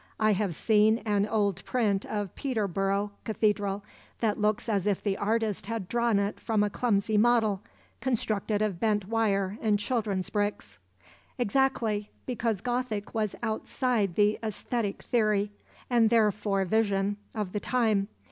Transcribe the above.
I have seen an old print of Peterborough Cathedral that looks as if the artist had drawn it from a clumsy model, constructed of bent wire and children's bricks." "Exactly; because Gothic was outside the æsthetic theory (and therefore vision) of the time.